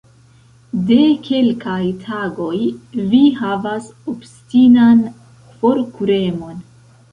De kelkaj tagoj, vi havas obstinan forkuremon.